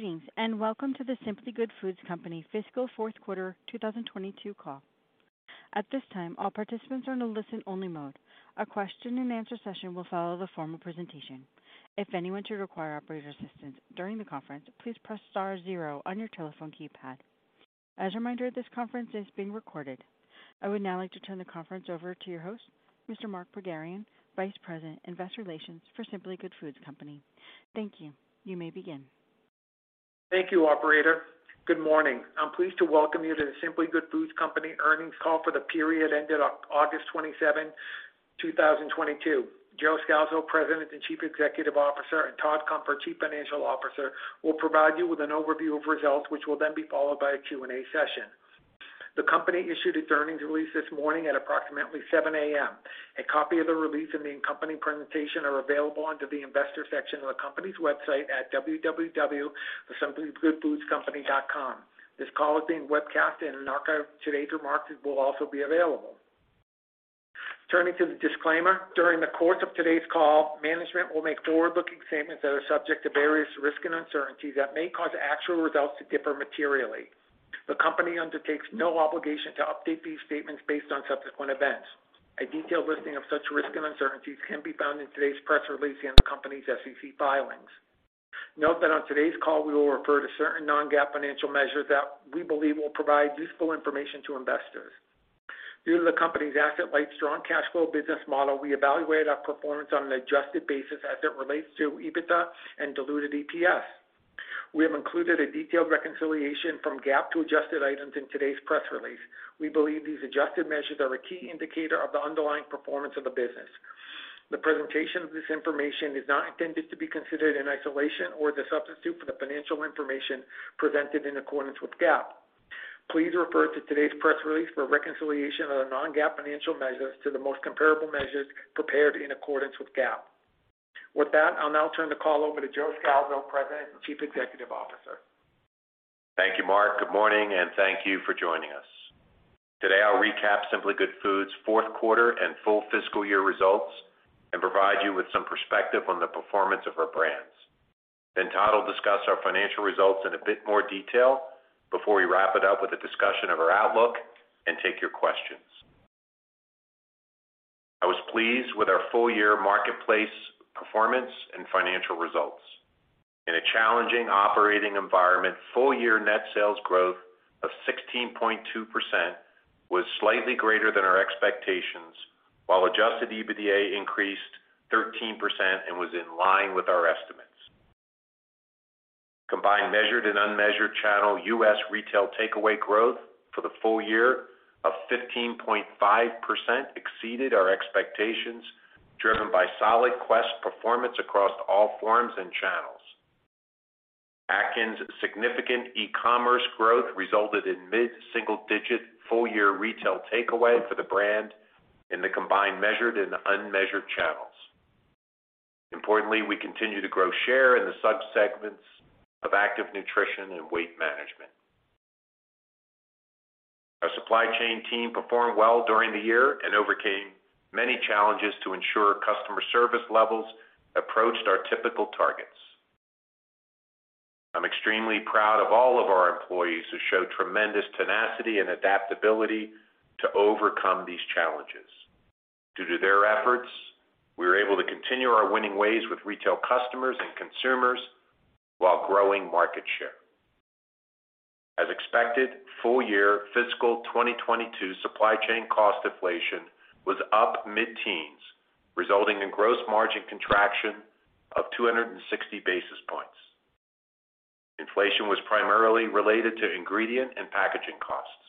Greetings, and welcome to the Simply Good Foods Company Fiscal Fourth Quarter 2022 call. At this time, all participants are in a listen only mode. A question-and-answer session will follow the formal presentation. If anyone should require operator assistance during the conference, please press star zero on your telephone keypad. As a reminder, this conference is being recorded. I would now like to turn the conference over to your host, Mr. Mark Pogharian, Vice President, Investor Relations for Simply Good Foods Company. Thank you. You may begin.` Thank you, operator. Good morning. I'm pleased to welcome you to The Simply Good Foods Company earnings call for the period ended August 27th, 2022. Joseph Scalzo, President and Chief Executive Officer, and Todd Cunfer, Chief Financial Officer, will provide you with an overview of results, which will then be followed by a Q&A session. The company issued its earnings release this morning at approximately 7 A.M. A copy of the release and the accompanying presentation are available under the investor section of the company's website at www.thesimplygoodfoodscompany.com. This call is being webcast and an archive of today's remarks will also be available. Turning to the disclaimer, during the course of today's call, management will make forward-looking statements that are subject to various risks and uncertainties that may cause actual results to differ materially. The company undertakes no obligation to update these statements based on subsequent events. A detailed listing of such risks and uncertainties can be found in today's press release and the company's SEC filings. Note that on today's call, we will refer to certain non-GAAP financial measures that we believe will provide useful information to investors. Due to the company's asset-light strong cash flow business model, we evaluate our performance on an adjusted basis as it relates to EBITDA and diluted EPS. We have included a detailed reconciliation from GAAP to adjusted items in today's press release. We believe these adjusted measures are a key indicator of the underlying performance of the business. The presentation of this information is not intended to be considered in isolation or as a substitute for the financial information presented in accordance with GAAP. Please refer to today's press release for a reconciliation of the non-GAAP financial measures to the most comparable measures prepared in accordance with GAAP. With that, I'll now turn the call over to Joseph Scalzo, President and Chief Executive Officer. Thank you, Mark. Good morning, and thank you for joining us. Today, I'll recap Simply Good Foods' fourth quarter and full fiscal year results and provide you with some perspective on the performance of our brands. Then Todd will discuss our financial results in a bit more detail before we wrap it up with a discussion of our outlook and take your questions. I was pleased with our full year marketplace performance and financial results. In a challenging operating environment, full year net sales growth of 16.2% was slightly greater than our expectations, while adjusted EBITDA increased 13% and was in line with our estimates. Combined, measured and unmeasured channel U.S. retail takeaway growth for the full year of 15.5% exceeded our expectations, driven by solid Quest performance across all forms and channels. Atkins' significant e-commerce growth resulted in mid-single digit full-year retail takeaway for the brand in the combined measured and unmeasured channels. Importantly, we continue to grow share in the sub-segments of active nutrition and weight management. Our supply chain team performed well during the year and overcame many challenges to ensure customer service levels approached our typical targets. I'm extremely proud of all of our employees who showed tremendous tenacity and adaptability to overcome these challenges. Due to their efforts, we were able to continue our winning ways with retail customers and consumers while growing market share. As expected, full year fiscal 2022 supply chain cost inflation was up mid-teens, resulting in gross margin contraction of 260 basis points. Inflation was primarily related to ingredient and packaging costs.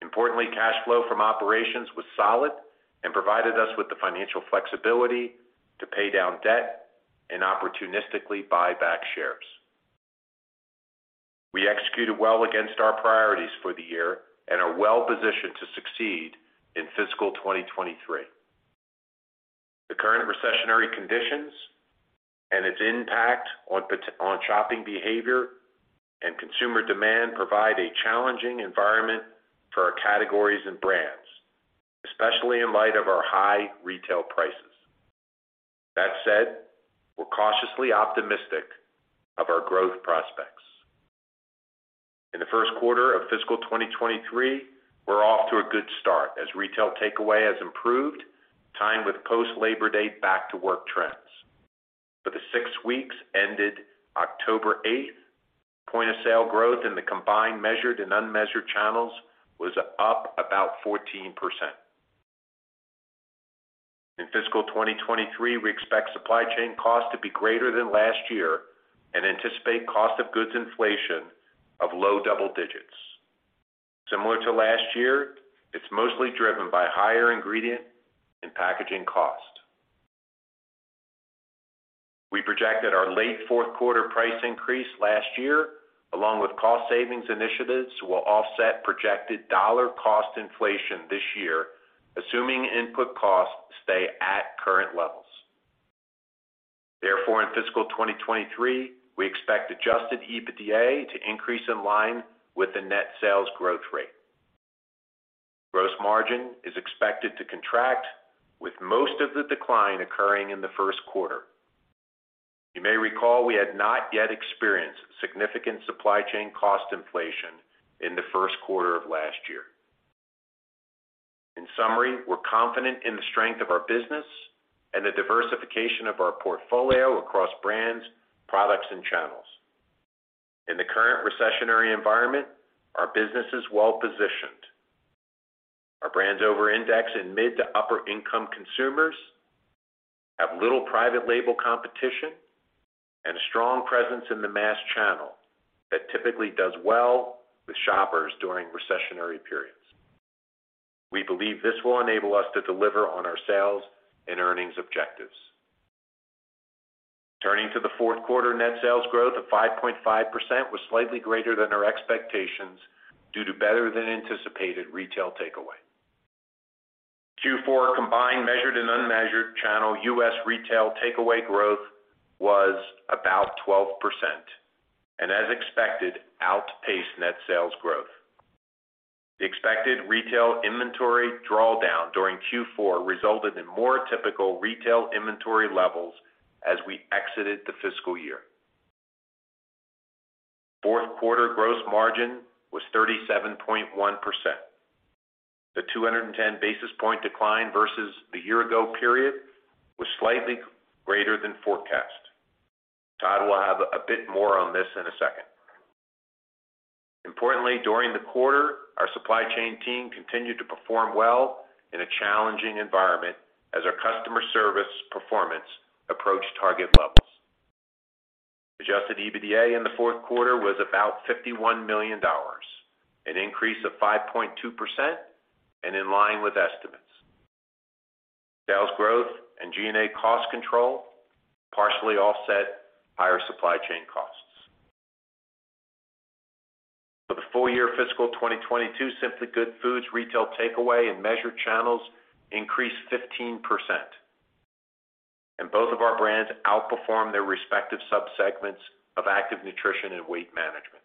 Importantly, cash flow from operations was solid and provided us with the financial flexibility to pay down debt and opportunistically buy back shares. We executed well against our priorities for the year and are well positioned to succeed in fiscal 2023. The current recessionary conditions and its impact on shopping behavior and consumer demand provide a challenging environment for our categories and brands, especially in light of our high retail prices. That said, we're cautiously optimistic of our growth prospects. In the first quarter of fiscal 2023, we're off to a good start as retail takeaway has improved, timed with post Labor Day back to work trends. For the six weeks ended October 8th, point of sale growth in the combined measured and unmeasured channels was up about 14%. In fiscal 2023, we expect supply chain costs to be greater than last year and anticipate cost of goods inflation of low double digits. Similar to last year, it's mostly driven by higher ingredient and packaging cost. We project that our late fourth quarter price increase last year, along with cost savings initiatives, will offset projected dollar cost inflation this year, assuming input costs stay at current levels. Therefore, in fiscal 2023, we expect adjusted EBITDA to increase in line with the net sales growth rate. Gross margin is expected to contract with most of the decline occurring in the first quarter. You may recall we had not yet experienced significant supply chain cost inflation in the first quarter of last year. In summary, we're confident in the strength of our business and the diversification of our portfolio across brands, products, and channels. In the current recessionary environment, our business is well-positioned. Our brands over-index in mid to upper-income consumers, have little private label competition, and a strong presence in the mass channel that typically does well with shoppers during recessionary periods. We believe this will enable us to deliver on our sales and earnings objectives. Turning to the fourth quarter, net sales growth of 5.5% was slightly greater than our expectations due to better than anticipated retail takeaway. Q4 combined, measured and unmeasured channel U.S. retail takeaway growth was about 12% and as expected, outpaced net sales growth. The expected retail inventory drawdown during Q4 resulted in more typical retail inventory levels as we exited the fiscal year. Fourth quarter gross margin was 37.1%. The 210 basis points decline versus the year ago period was slightly greater than forecast. Todd will have a bit more on this in a second. Importantly, during the quarter, our supply chain team continued to perform well in a challenging environment as our customer service performance approached target levels. Adjusted EBITDA in the fourth quarter was about $51 million, an increase of 5.2% and in line with estimates. Sales growth and G&A cost control partially offset higher supply chain costs. For the full year fiscal 2022, Simply Good Foods retail takeaway and measured channels increased 15%, and both of our brands outperformed their respective sub-segments of active nutrition and weight management.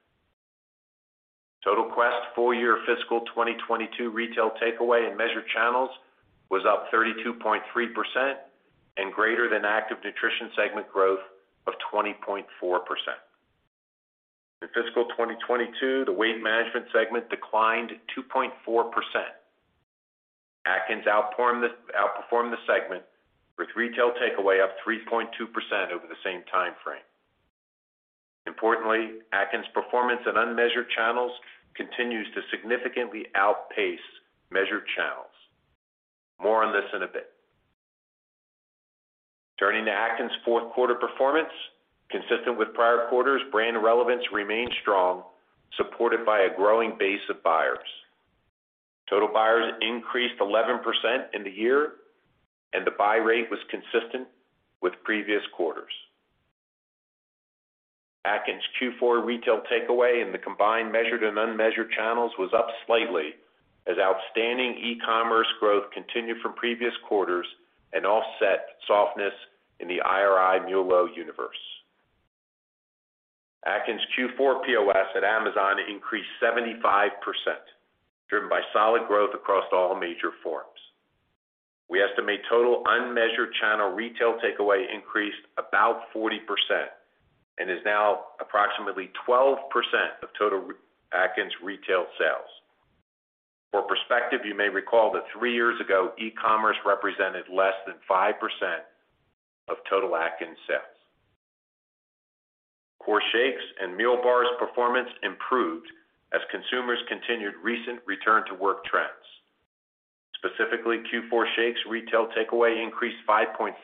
Total Quest full year fiscal 2022 retail takeaway in measured channels was up 32.3% and greater than active nutrition segment growth of 20.4%. In fiscal 2022, the weight management segment declined 2.4%. Atkins outperformed the segment, with retail takeaway up 3.2% over the same time frame. Importantly, Atkins' performance in unmeasured channels continues to significantly outpace measured channels. More on this in a bit. Turning to Atkins' fourth quarter performance. Consistent with prior quarters, brand relevance remained strong, supported by a growing base of buyers. Total buyers increased 11% in the year and the buy rate was consistent with previous quarters. Atkins' Q4 retail takeaway in the combined measured and unmeasured channels was up slightly as outstanding e-commerce growth continued from previous quarters and offset softness in the IRI MULO universe. Atkins' Q4 POS at Amazon increased 75%, driven by solid growth across all major forms. We estimate total unmeasured channel retail takeaway increased about 40% and is now approximately 12% of total Atkins retail sales. For perspective, you may recall that three years ago, e-commerce represented less than 5% of total Atkins sales. Core shakes and meal bars performance improved as consumers continued recent return to work trends. Specifically, Q4 shakes retail takeaway increased 5.5%,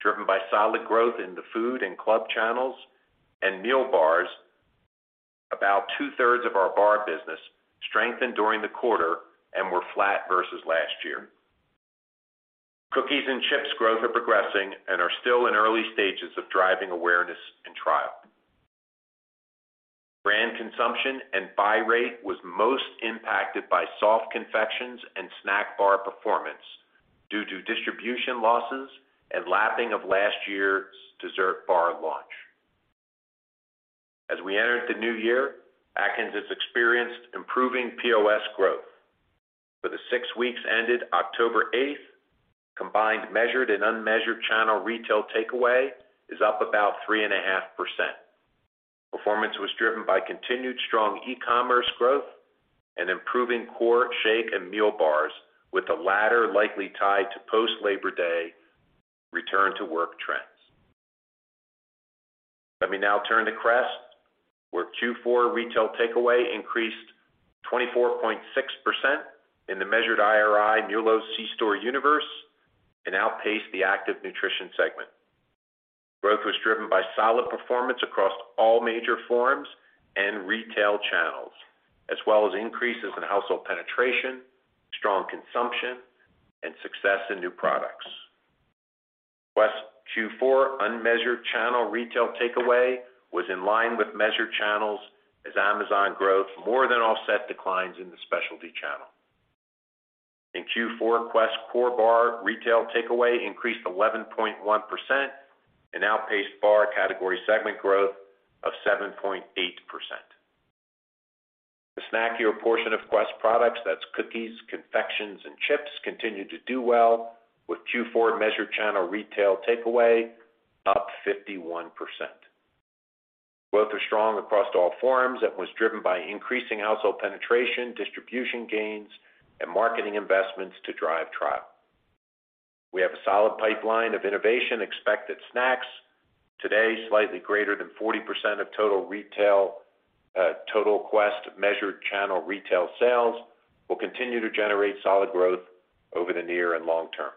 driven by solid growth in the food and club channels and meal bars. About 2/3 of our bar business strengthened during the quarter and were flat versus last year. Cookies and chips growth are progressing and are still in early stages of driving awareness and trial. Brand consumption and buy rate was most impacted by soft confections and snack bar performance due to distribution losses and lapping of last year's dessert bar launch. As we entered the new year, Atkins has experienced improving POS growth. For the six weeks ended October 8th, combined, measured and unmeasured channel retail takeaway is up about 3.5%. Performance was driven by continued strong e-commerce growth and improving core shake and meal bars, with the latter likely tied to post Labor Day return to work trends. Let me now turn to Quest, where Q4 retail takeaway increased 24.6% in the measured IRI MULO C-store universe and outpaced the active nutrition segment. Growth was driven by solid performance across all major forms and retail channels, as well as increases in household penetration, strong consumption and success in new products. Quest Q4 unmeasured channel retail takeaway was in line with measured channels as Amazon growth more than offset declines in the specialty channel. In Q4, Quest core bar retail takeaway increased 11.1% and outpaced bar category segment growth of 7.8%. The snackier portion of Quest products, that's cookies, confections, and chips, continued to do well with Q4 measured channel retail takeaway up 51%. Growth was strong across all forms and was driven by increasing household penetration, distribution gains, and marketing investments to drive trial. We have a solid pipeline of innovation expected snacks. Today, slightly greater than 40% of total retail, total Quest measured channel retail sales will continue to generate solid growth over the near and long term.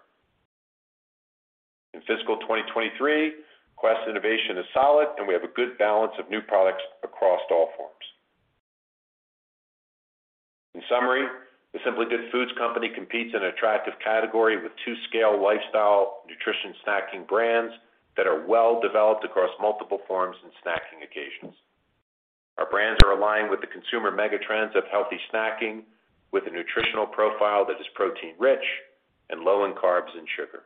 In fiscal 2023, Quest innovation is solid, and we have a good balance of new products across all forms. In summary, The Simply Good Foods Company competes in attractive category with two scale lifestyle nutrition snacking brands that are well-developed across multiple forms and snacking occasions. Our brands are aligned with the consumer megatrends of healthy snacking, with a nutritional profile that is protein rich and low in carbs and sugar.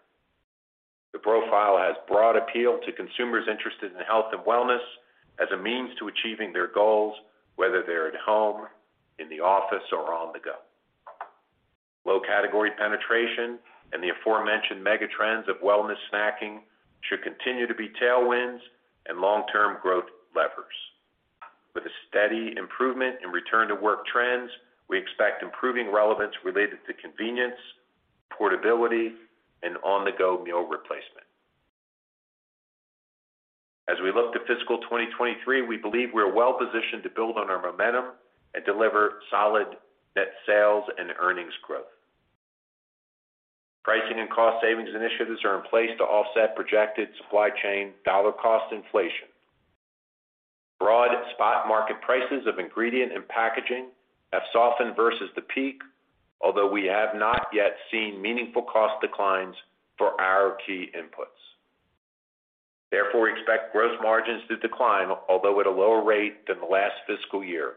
The profile has broad appeal to consumers interested in health and wellness as a means to achieving their goals, whether they're at home, in the office or on the go. Low category penetration and the aforementioned megatrends of wellness snacking should continue to be tailwinds and long-term growth levers. With a steady improvement in return-to-work trends, we expect improving relevance related to convenience, portability, and on-the-go meal replacement. As we look to fiscal 2023, we believe we're well-positioned to build on our momentum and deliver solid net sales and earnings growth. Pricing and cost savings initiatives are in place to offset projected supply chain dollar cost inflation. Broad spot market prices of ingredient and packaging have softened versus the peak, although we have not yet seen meaningful cost declines for our key inputs. Therefore, we expect gross margins to decline, although at a lower rate than the last fiscal year.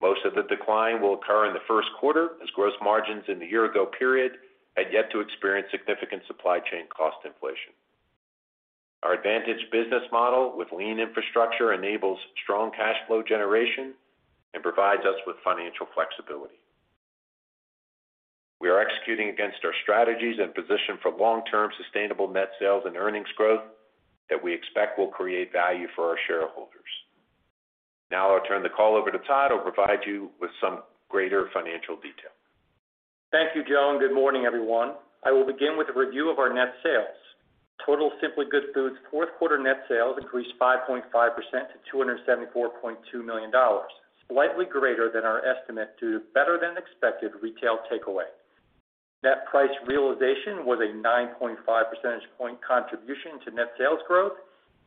Most of the decline will occur in the first quarter as gross margins in the year ago period had yet to experience significant supply chain cost inflation. Our advantage business model with lean infrastructure enables strong cash flow generation and provides us with financial flexibility. We are executing against our strategies and positioned for long-term sustainable net sales and earnings growth that we expect will create value for our shareholders. Now I'll turn the call over to Todd, who'll provide you with some greater financial detail. Thank you, Joseph, and good morning, everyone. I will begin with a review of our net sales. Total Simply Good Foods fourth quarter net sales increased 5.5% to $274.2 million, slightly greater than our estimate due to better than expected retail takeaway. Net price realization was a 9.5 percentage point contribution to net sales growth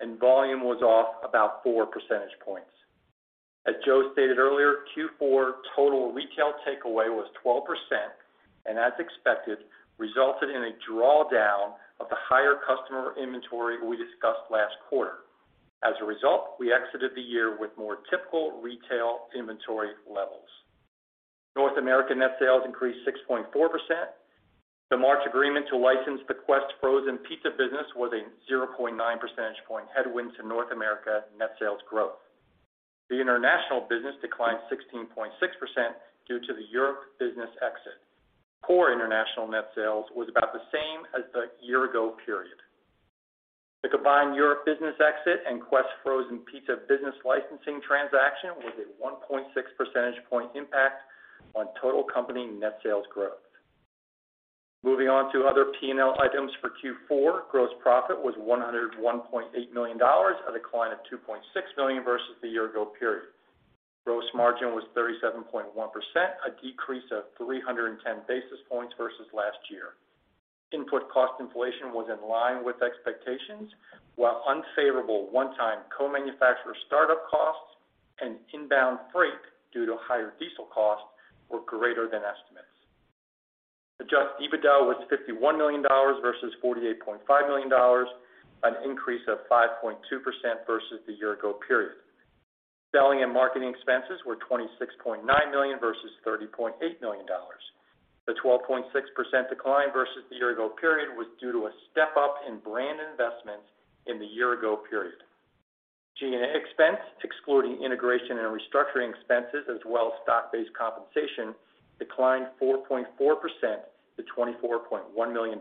and volume was off about 4 percentage points. As Joseph stated earlier, Q4 total retail takeaway was 12% and as expected, resulted in a drawdown of the higher customer inventory we discussed last quarter. As a result, we exited the year with more typical retail inventory levels. North America net sales increased 6.4%. The March agreement to license the Quest frozen pizza business was a 0.9 percentage point headwind to North America net sales growth. The international business declined 16.6% due to the Europe business exit. Core international net sales was about the same as the year ago period. The combined Europe business exit and Quest frozen pizza business licensing transaction was a 1.6 percentage point impact on total company net sales growth. Moving on to other P&L items for Q4, gross profit was $101.8 million, a decline of $2.6 million versus the year ago period. Gross margin was 37.1%, a decrease of 310 basis points versus last year. Input cost inflation was in line with expectations, while unfavorable one-time co-manufacturer startup costs and inbound freight due to higher diesel costs were greater than estimates. Adjusted EBITDA was $51 million versus $48.5 million, an increase of 5.2% versus the year-ago period. Selling and marketing expenses were $26.9 million versus $30.8 million. The 12.6% decline versus the year-ago period was due to a step-up in brand investments in the year-ago period. G&A expense, excluding integration and restructuring expenses as well as stock-based compensation, declined 4.4% to $24.1 million.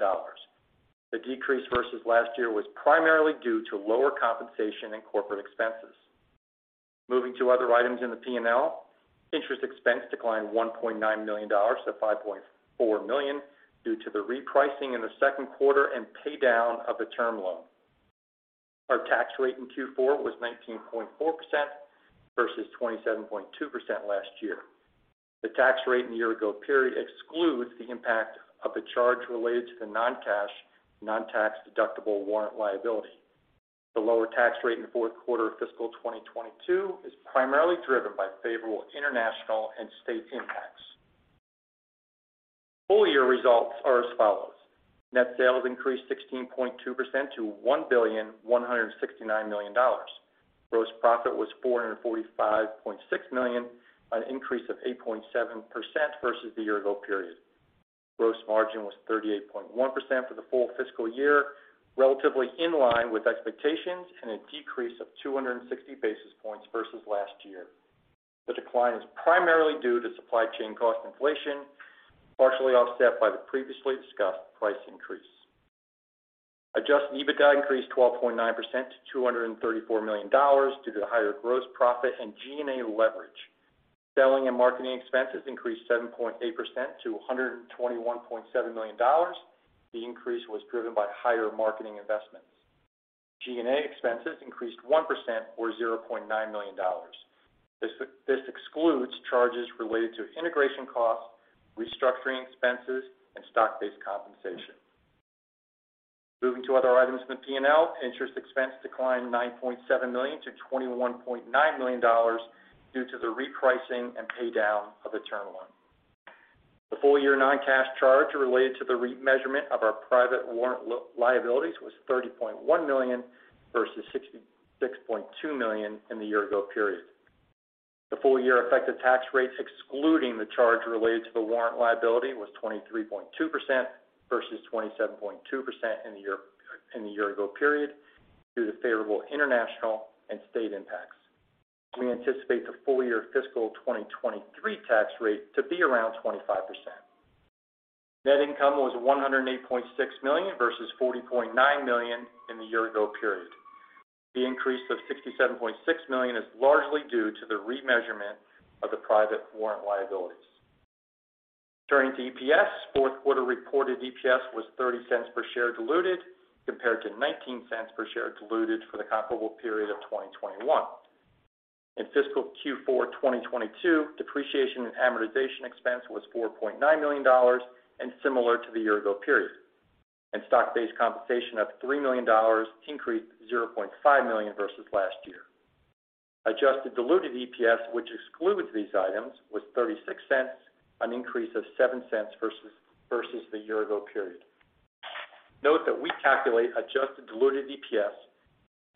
The decrease versus last year was primarily due to lower compensation and corporate expenses. Moving to other items in the P&L, interest expense declined $1.9 million to $5.4 million due to the repricing in the second quarter and pay down of the term loan. Our tax rate in Q4 was 19.4% versus 27.2% last year. The tax rate in the year ago period excludes the impact of the charge related to the non-cash, non-tax deductible warrant liability. The lower tax rate in fourth quarter of fiscal 2022 is primarily driven by favorable international and state impacts. Full year results are as follows. Net sales increased 16.2% to $1.169 billion. Gross profit was $445.6 million, an increase of 8.7% versus the year ago period. Gross margin was 38.1% for the full fiscal year, relatively in line with expectations, and a decrease of 260 basis points versus last year. The decline is primarily due to supply chain cost inflation, partially offset by the previously discussed price increase. Adjusted EBITDA increased 12.9% to $234 million due to the higher gross profit and G&A leverage. Selling and marketing expenses increased 7.8% to $121.7 million. The increase was driven by higher marketing investments. G&A expenses increased 1% or $0.9 million. This excludes charges related to integration costs, restructuring expenses and stock-based compensation. Moving to other items in the P&L, interest expense declined $9.7 million to $21.9 million due to the repricing and pay down of the term loan. The full year non-cash charge related to the remeasurement of our private warrant liabilities was $30.1 million versus $66.2 million in the year ago period. The full year effective tax rate, excluding the charge related to the warrant liability, was 23.2% versus 27.2% in the year, in the year ago period due to favorable international and state impacts. We anticipate the full year fiscal 2023 tax rate to be around 25%. Net income was $108.6 million versus $40.9 million in the year ago period. The increase of $67.6 million is largely due to the remeasurement of the private warrant liabilities. Turning to EPS. Fourth quarter reported EPS was $0.30 per share diluted compared to $0.19 per share diluted for the comparable period of 2021. In fiscal Q4 2022, depreciation and amortization expense was $4.9 million and similar to the year ago period. Stock-based compensation of $3 million increased $0.5 million versus last year. Adjusted diluted EPS, which excludes these items, was $0.36, an increase of $0.07 versus the year ago period. Note that we calculate adjusted diluted EPS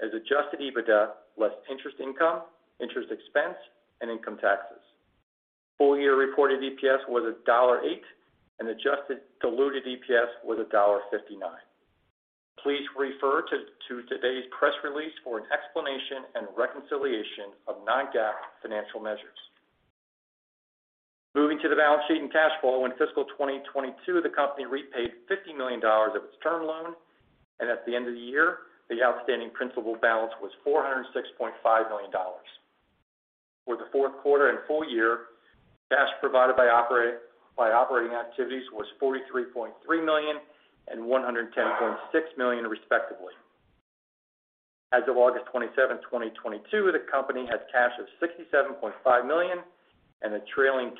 as adjusted EBITDA less interest income, interest expense, and income taxes. Full year reported EPS was $1.08 and adjusted diluted EPS was $1.59. Please refer to today's press release for an explanation and reconciliation of non-GAAP financial measures. Moving to the balance sheet and cash flow. In fiscal 2022, the company repaid $50 million of its term loan, and at the end of the year, the outstanding principal balance was $406.5 million. For the fourth quarter and full year, cash provided by operating activities was $43.3 million and $110.6 million, respectively. As of August 27th, 2022, the company has cash of $67.5 million and the trailing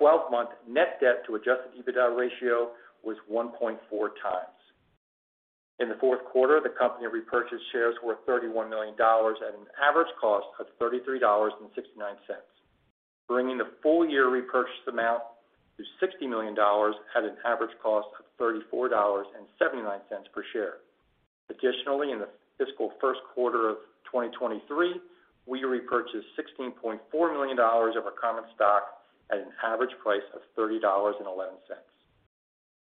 12-month net debt to adjusted EBITDA ratio was 1.4x. In the fourth quarter, the company repurchased shares worth $31 million at an average cost of $33.69, bringing the full year repurchase amount to $60 million at an average cost of $34.79 per share. Additionally, in the fiscal first quarter of 2023, we repurchased $16.4 million of our common stock at an average price of $30.11.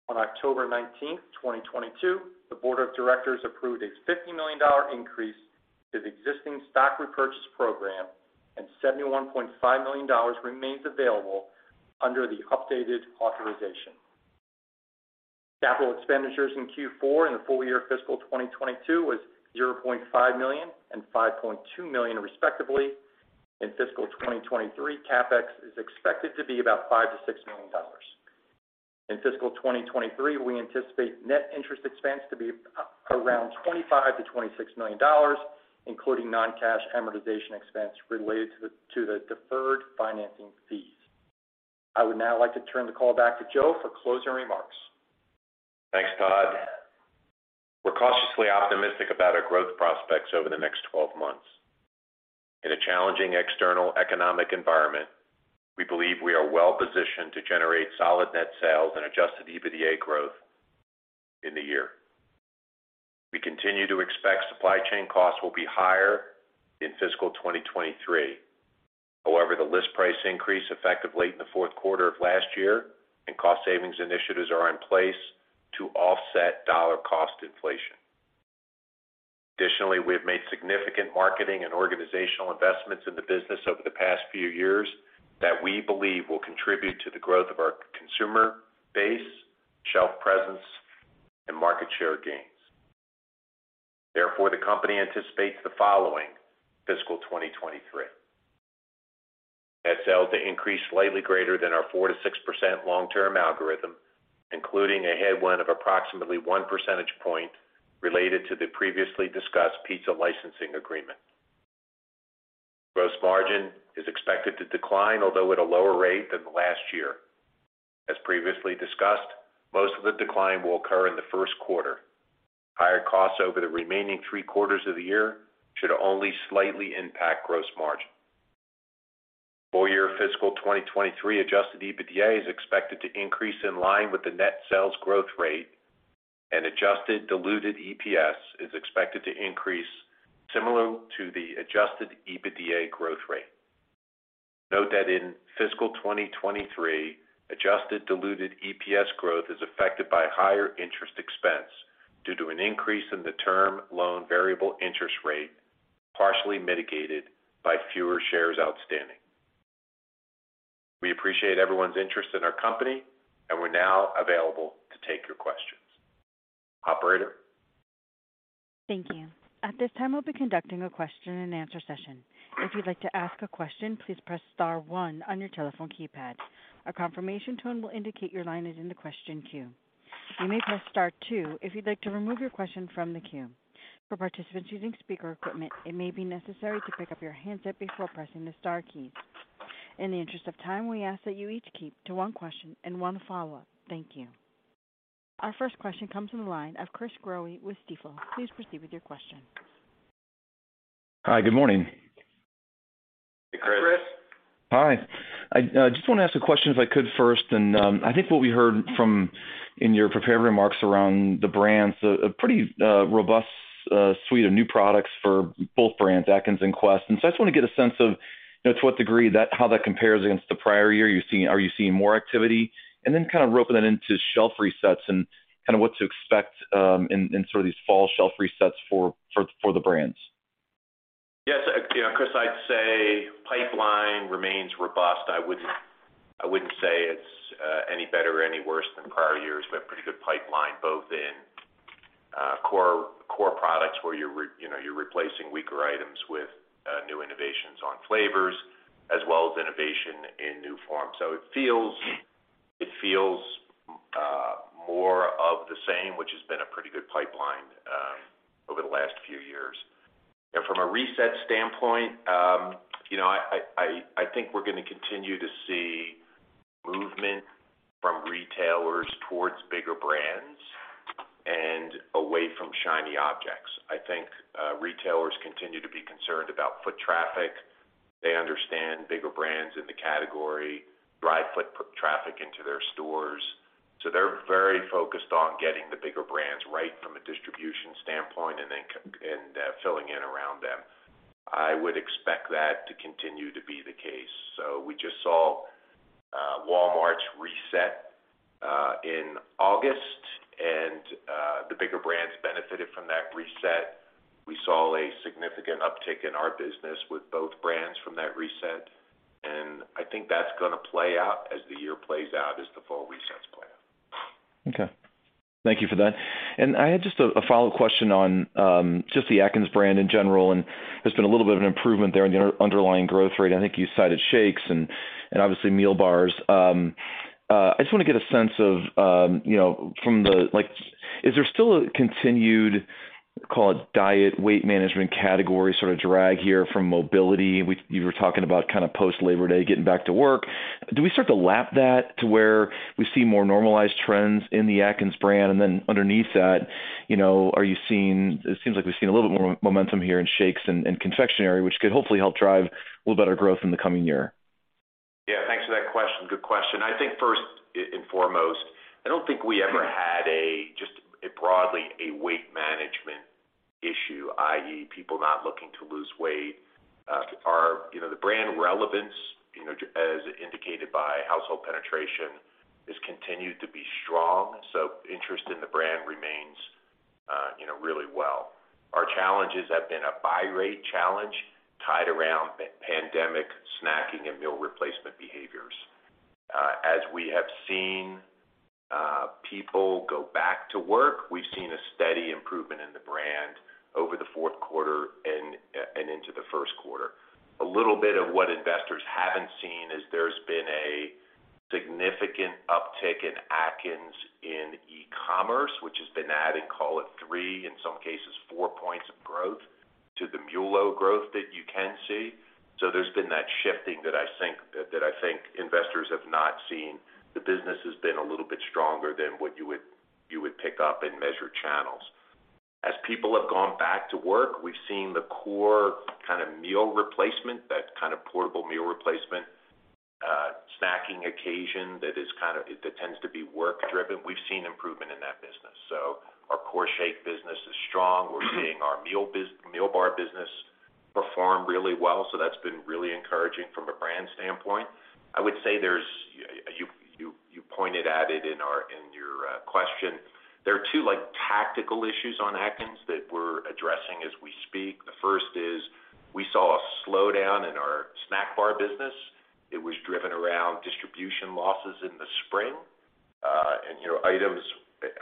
On October 19th, 2022, the Board of Directors approved a $50 million increase to the existing stock repurchase program, and $71.5 million remains available under the updated authorization. Capital expenditures in Q4 and the full year fiscal 2022 were $0.5 million and $5.2 million, respectively. In fiscal 2023, CapEx is expected to be about $5 million-$6 million. In fiscal 2023, we anticipate net interest expense to be around $25 million-$26 million, including non-cash amortization expense related to the deferred financing fees. I would now like to turn the call back to Joseph for closing remarks. Thanks, Todd. We're cautiously optimistic about our growth prospects over the next 12 months. In a challenging external economic environment, we believe we are well positioned to generate solid net sales and adjusted EBITDA growth in the year. We continue to expect supply chain costs will be higher in fiscal 2023. However, the list price increase effective late in the fourth quarter of last year and cost savings initiatives are in place to offset dollar cost inflation. Additionally, we have made significant marketing and organizational investments in the business over the past few years that we believe will contribute to the growth of our consumer base, shelf presence and market share gains. Therefore, the company anticipates the following for fiscal 2023: Net sales to increase slightly greater than our 4%-6% long-term algorithm, including a headwind of approximately 1 percentage point related to the previously discussed pizza licensing agreement. Gross margin is expected to decline, although at a lower rate than last year. As previously discussed, most of the decline will occur in the first quarter. Higher costs over the remaining three quarters of the year should only slightly impact gross margin. Full year fiscal 2023 adjusted EBITDA is expected to increase in line with the net sales growth rate and adjusted diluted EPS is expected to increase similar to the adjusted EBITDA growth rate. Note that in fiscal 2023, adjusted diluted EPS growth is affected by higher interest expense due to an increase in the term loan variable interest rate, partially mitigated by fewer shares outstanding. We appreciate everyone's interest in our company, and we're now available to take your questions. Operator. Thank you. At this time, we'll be conducting a question and answer session. If you'd like to ask a question, please press star one on your telephone keypad. A confirmation tone will indicate your line is in the question queue. You may press star two if you'd like to remove your question from the queue. For participants using speaker equipment, it may be necessary to pick up your handset before pressing the star keys. In the interest of time, we ask that you each keep to one question and one follow-up. Thank you. Our first question comes from the line of Chris Growe with Stifel. Please proceed with your question. Hi. Good morning. Hey, Chris. Hi. I just wanna ask a question, if I could first. I think what we heard from in your prepared remarks around the brands, a pretty robust suite of new products for both brands, Atkins and Quest. I just wanna get a sense of, you know, to what degree that how that compares against the prior year. Are you seeing more activity? Then kind of roping that into shelf resets and kinda what to expect, in sort of these fall shelf resets for the brands. Yes. You know, Chris, I'd say pipeline remains robust. I wouldn't say it's any better or any worse than prior years. We have pretty good pipeline both in core products where you know, you're replacing weaker items with new innovations on flavors as well as innovation in new forms. It feels more of the same, which has been a pretty good pipeline over the last few years. From a reset standpoint, you know, I think we're gonna continue to see movement from retailers towards bigger brands and away from shiny objects. I think retailers continue to be concerned about foot traffic. They understand bigger brands in the category drive foot traffic into their stores. They're very focused on getting the bigger brands right from a distribution standpoint and then filling in around them. I would expect that to continue to be the case. We just saw Walmart's reset in August, and the bigger brands benefited from that reset. We saw a significant uptick in our business with both brands from that reset, and I think that's gonna play out as the year plays out, as the fall resets play out. Okay. Thank you for that. I had just a follow-up question on just the Atkins brand in general, and there's been a little bit of an improvement there in the underlying growth rate. I think you cited shakes and obviously meal bars. I just want to get a sense of, you know, like, is there still a continued, call it, diet weight management category sorta drag here from mobility? You were talking about kinda post Labor Day, getting back to work. Do we start to lap that to where we see more normalized trends in the Atkins brand? Underneath that, you know, it seems like we've seen a little bit more momentum here in shakes and confectionery, which could hopefully help drive a little better growth in the coming year. Yeah. Thanks for that question. Good question. I think first and foremost, I don't think we ever had just a broadly weight management issue, i.e., people not looking to lose weight. Our you know the brand relevance you know as indicated by household penetration has continued to be strong, so interest in the brand remains you know really well. Our challenges have been a buy rate challenge tied around pandemic snacking and meal replacement behaviors. As we have seen people go back to work, we've seen a steady improvement in the brand over the fourth quarter and into the first quarter. A little bit of what investors haven't seen is there's been a significant uptick in Atkins in e-commerce, which has been adding, call it three, in some cases four points of growth to the MULO growth that you can see. There's been that shifting that I think investors have not seen. The business has been a little bit stronger than what you would pick up in measured channels. As people have gone back to work, we've seen the core kinda meal replacement, that kinda portable meal replacement, snacking occasion that tends to be work driven. We've seen improvement in that business. Our core shake business is strong. We're seeing our meal bar business perform really well, so that's been really encouraging from a brand standpoint. I would say there's. You pointed at it in your question. There are two like tactical issues on Atkins that we're addressing as we speak. The first is we saw a slowdown in our snack bar business. It was driven around distribution losses in the spring. You know,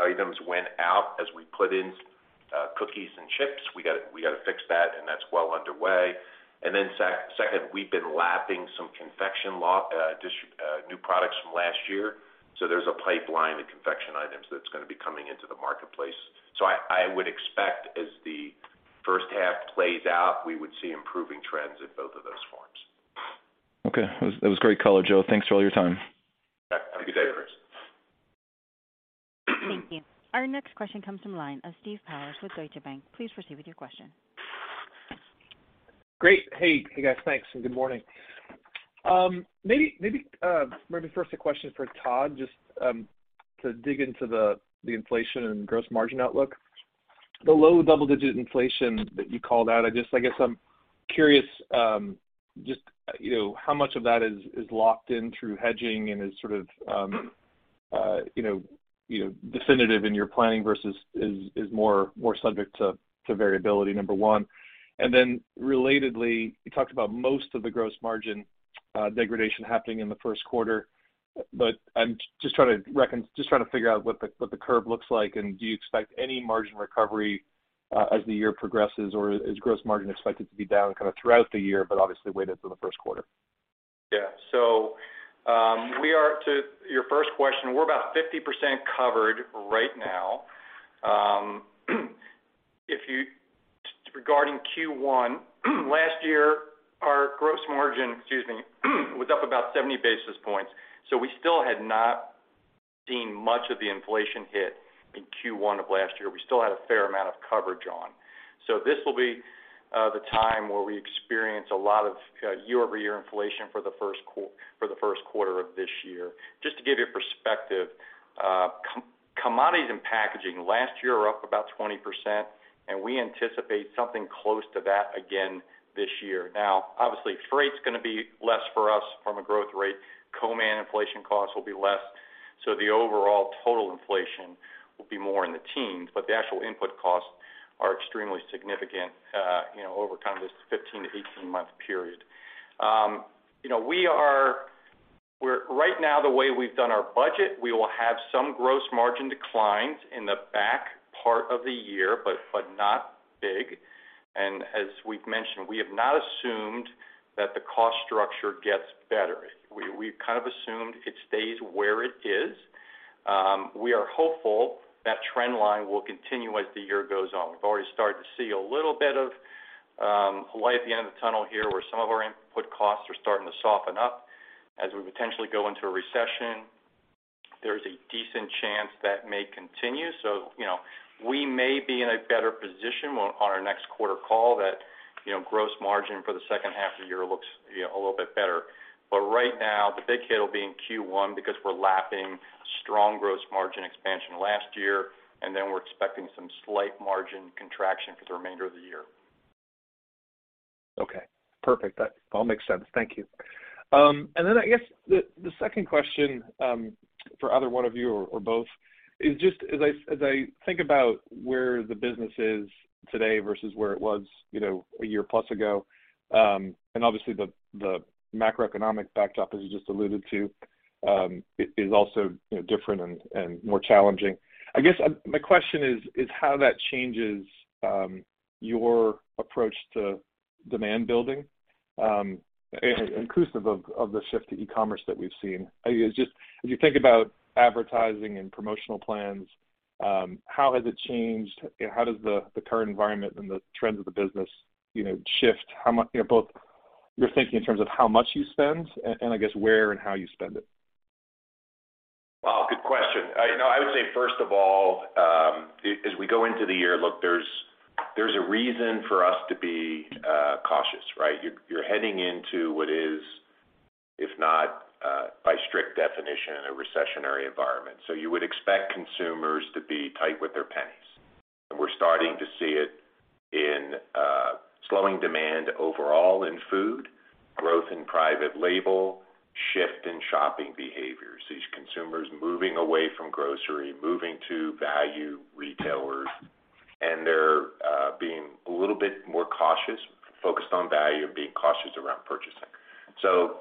items went out as we put in cookies and chips. We gotta fix that, and that's well underway. Then second, we've been lapping some new products from last year, so there's a pipeline of confection items that's gonna be coming into the marketplace. I would expect as the first half plays out, we would see improving trends in both of those forms. Okay. That was great color, Joseph. Thanks for all your time. Have a good day, Chris. Our next question comes from the line of Steve Powers with Deutsche Bank. Please proceed with your question. Great. Hey guys. Thanks and good morning. Maybe first a question for Todd, just to dig into the inflation and gross margin outlook. The low double-digit inflation that you called out, I guess I'm curious, just you know how much of that is locked in through hedging and is sort of you know definitive in your planning versus is more subject to variability, number one. Then relatedly, you talked about most of the gross margin degradation happening in the first quarter. I'm just trying to figure out what the curve looks like, and do you expect any margin recovery as the year progresses, or is gross margin expected to be down kind of throughout the year, but obviously weighted to the first quarter? Yeah. To your first question, we're about 50% covered right now. Regarding Q1, last year, our gross margin, excuse me, was up about 70 basis points. We still had not seen much of the inflation hit in Q1 of last year. We still had a fair amount of coverage on. This will be the time where we experience a lot of year-over-year inflation for the first quarter of this year. Just to give you perspective, commodities and packaging last year were up about 20%, and we anticipate something close to that again this year. Now, obviously, freight's gonna be less for us from a growth rate. Commodity inflation costs will be less. The overall total inflation will be more in the teens, but the actual input costs are extremely significant, you know, over kind of this 15- to 18-month period. Right now, the way we've done our budget, we will have some gross margin declines in the back part of the year, but not big. As we've mentioned, we have not assumed that the cost structure gets better. We've kind of assumed it stays where it is. We are hopeful that trend line will continue as the year goes on. We've already started to see a little bit of light at the end of the tunnel here, where some of our input costs are starting to soften up. As we potentially go into a recession, there is a decent chance that may continue. you know, we may be in a better position on our next quarter call that, you know, gross margin for the second half of the year looks, you know, a little bit better. Right now, the big hit will be in Q1 because we're lapping strong gross margin expansion last year, and then we're expecting some slight margin contraction for the remainder of the year. Okay. Perfect. That all makes sense. Thank you. I guess the second question for either one of you or both is just as I think about where the business is today versus where it was, you know, a year plus ago, and obviously the macroeconomic backdrop, as you just alluded to, is also, you know, different and more challenging. I guess my question is how that changes your approach to demand building, inclusive of the shift to e-commerce that we've seen. I guess just as you think about advertising and promotional plans, how has it changed? How does the current environment and the trends of the business, you know, shift? You know, both your thinking in terms of how much you spend and I guess where and how you spend it. Wow, good question. You know, I would say, first of all, as we go into the year, look, there's a reason for us to be cautious, right? You're heading into what is, if not by strict definition, a recessionary environment. So you would expect consumers to be tight with their pennies. We're starting to see it in slowing demand overall in food, growth in private label, shift in shopping behaviors. These consumers moving away from grocery, moving to value retailers, and they're being a little bit more cautious, focused on value, and being cautious around purchasing. So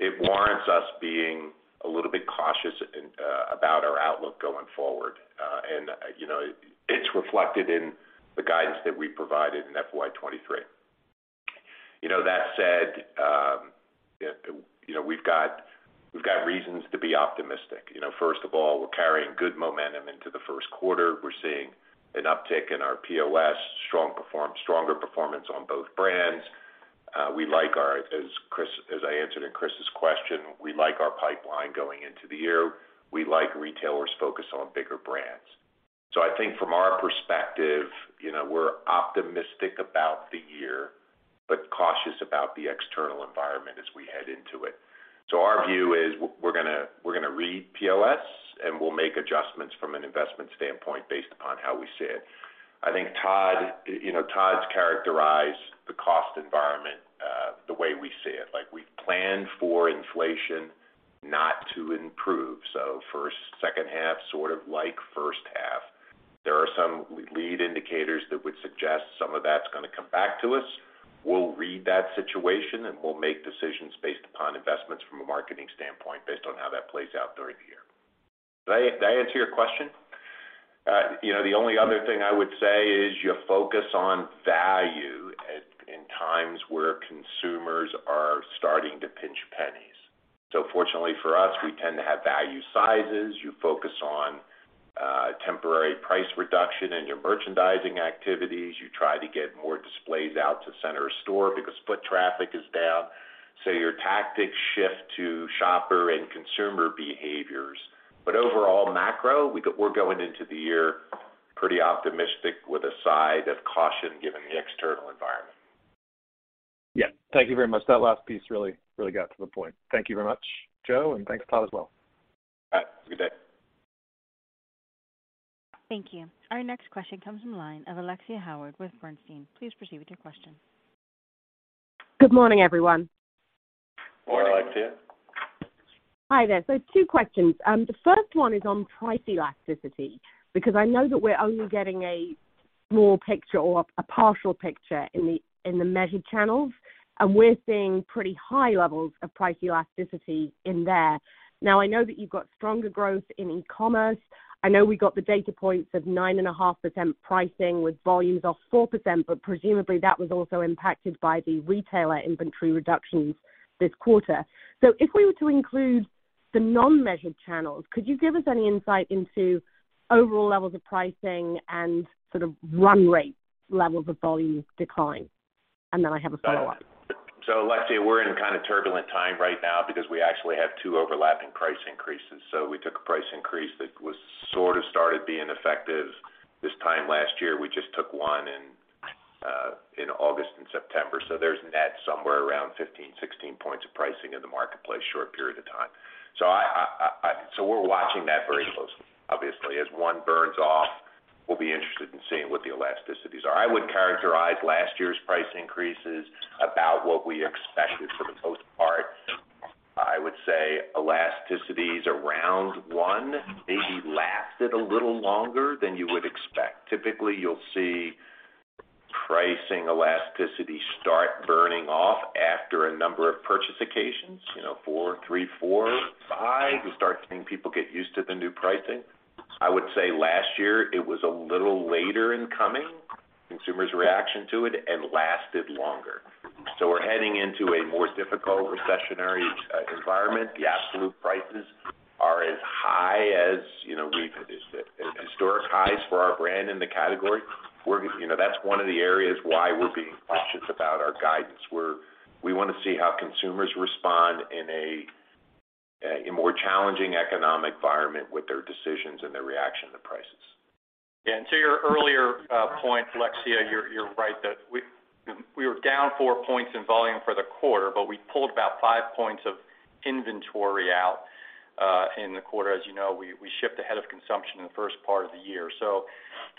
it warrants us being a little bit cautious about our outlook going forward. You know, it's reflected in the guidance that we provided in FY 2023. You know, that said, you know, we've got reasons to be optimistic. You know, first of all, we're carrying good momentum into the first quarter. We're seeing an uptick in our POS, stronger performance on both brands. We like our as I answered in Chris's question, we like our pipeline going into the year. We like retailers' focus on bigger brands. I think from our perspective, you know, we're optimistic about the year, but cautious about the external environment as we head into it. Our view is we're gonna read POS, and we'll make adjustments from an investment standpoint based upon how we see it. I think Todd, you know, Todd's characterized the cost environment, the way we see it, like we've planned for inflation not to improve. First, second half, sort of like first half. There are some lead indicators that would suggest some of that's gonna come back to us. We'll read that situation, and we'll make decisions based upon investments from a marketing standpoint based on how that plays out during the year. Did I answer your question? You know, the only other thing I would say is you focus on value in times where consumers are starting to pinch pennies. Fortunately for us, we tend to have value sizes. You focus on temporary price reduction in your merchandising activities. You try to get more displays out to center of store because foot traffic is down. Your tactics shift to shopper and consumer behaviors. Overall macro, we're going into the year pretty optimistic with a side of caution given the external environment. Yeah. Thank you very much. That last piece really, really got to the point. Thank you very much, Joseph, and thanks, Todd, as well. All right. Have a good day. Thank you. Our next question comes from the line of Alexia Howard with Bernstein. Please proceed with your question. Good morning, everyone. Good morning, Alexia. Hi there. Two questions. The first one is on price elasticity because I know that we're only getting a small picture or a partial picture in the, in the measured channels, and we're seeing pretty high levels of price elasticity in there. I know that you've got stronger growth in e-commerce. I know we got the data points of 9.5% pricing with volumes of 4%, but presumably, that was also impacted by the retailer inventory reductions this quarter. If we were to include the non-measured channels, could you give us any insight into overall levels of pricing and sort of run rate levels of volume decline? And then I have a follow-up. Alexia, we're in kind of turbulent time right now because we actually have two overlapping price increases. We took a price increase that was sort of started being effective this time last year. We just took one in August and September. There's net somewhere around 15, 16 points of pricing in the marketplace short period of time. We're watching that very closely. Obviously, as one burns off, we'll be interested in seeing what the elasticities are. I would characterize last year's price increases about what we expected for the most part. I would say elasticities around one maybe lasted a little longer than you would expect. Typically, you'll see pricing elasticity start burning off after a number of purchase occasions, you know, 4, 3, 4, 5, you start seeing people get used to the new pricing. I would say last year it was a little later in coming, consumers' reaction to it, and lasted longer. We're heading into a more difficult recessionary environment. The absolute prices are as high as, you know, historic highs for our brand in the category. We're, you know, that's one of the areas why we're being cautious about our guidance. We wanna see how consumers respond in a more challenging economic environment with their decisions and their reaction to prices. Yeah. To your earlier point, Alexia, you're right that we were down four points in volume for the quarter, but we pulled about five points of inventory out in the quarter. As you know, we shipped ahead of consumption in the first part of the year.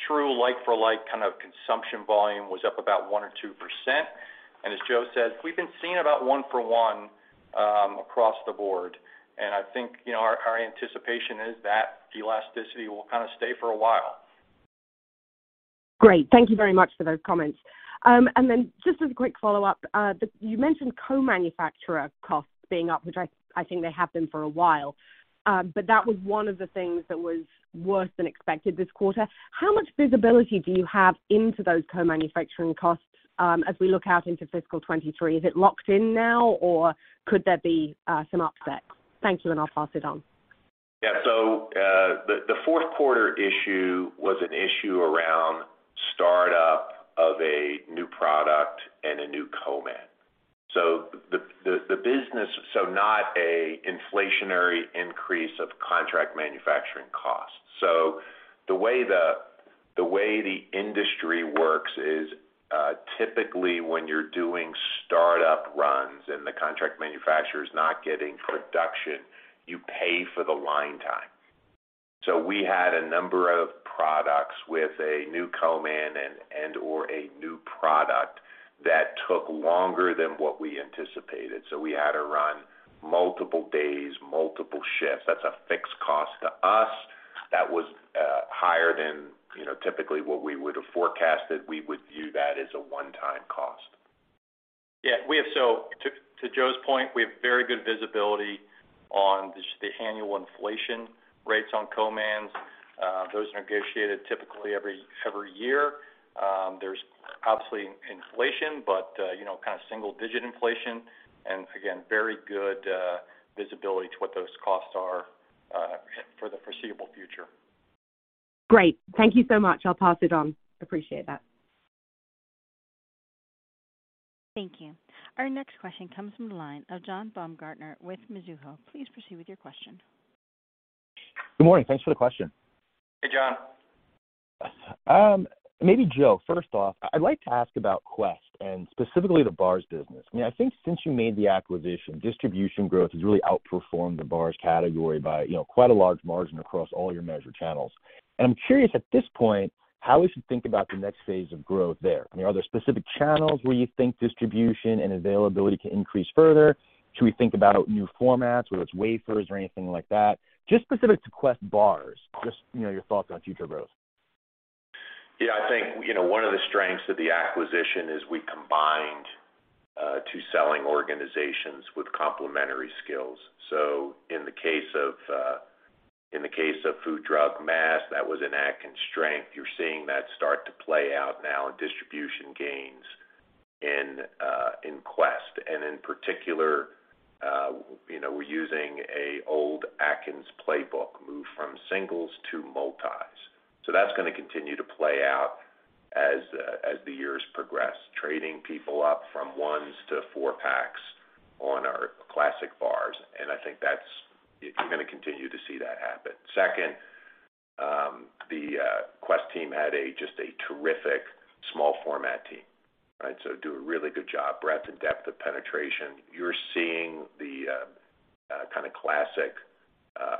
True like for like kind of consumption volume was up about 1% or 2%. As Joseph said, we've been seeing about 1-for-1 across the board. I think, you know, our anticipation is that the elasticity will kind of stay for a while. Great. Thank you very much for those comments. Just as a quick follow-up, you mentioned co-manufacturer costs being up, which I think they have been for a while, but that was one of the things that was worse than expected this quarter. How much visibility do you have into those co-manufacturing costs, as we look out into fiscal 2023? Is it locked in now, or could there be some upset? Thank you, and I'll pass it on. The fourth quarter issue was an issue around start-up of a new product and a new co-man. The business, not an inflationary increase of contract manufacturing costs. The way the industry works is, typically when you're doing start-up runs and the contract manufacturer is not getting production, you pay for the line time. We had a number of products with a new co-man and/or a new product that took longer than what we anticipated. We had to run multiple days, multiple shifts. That's a fixed cost to us. That was higher than, you know, typically what we would have forecasted. We would view that as a one-time cost. To Joseph's point, we have very good visibility on just the annual inflation rates on co-mans. Those are negotiated typically every year. There's obviously inflation, but you know, kind of single-digit inflation and again, very good visibility to what those costs are for the foreseeable future. Great. Thank you so much. I'll pass it on. Appreciate that. Thank you. Our next question comes from the line of John Baumgartner with Mizuho. Please proceed with your question. Good morning. Thanks for the question. Hey, John. Maybe Joseph, first off, I'd like to ask about Quest and specifically the bars business. I mean, I think since you made the acquisition, distribution growth has really outperformed the bars category by, you know, quite a large margin across all your measured channels. I'm curious at this point, how we should think about the next phase of growth there. I mean, are there specific channels where you think distribution and availability can increase further? Should we think about new formats, whether it's wafers or anything like that? Just specific to Quest bars, just, you know, your thoughts on future growth. Yeah. I think, you know, one of the strengths of the acquisition is we combined two selling organizations with complementary skills. In the case of food, drug, mass, that was an Atkins strength. You're seeing that start to play out now in distribution gains in Quest. In particular, you know, we're using an old Atkins playbook move from singles to multis. That's gonna continue to play out as the years progress, trading people up from ones to four packs on our classic bars. I think that's. You're gonna continue to see that happen. Second, the Quest team had just a terrific small format team. Right? They do a really good job, breadth and depth of penetration. You're seeing the kinda classic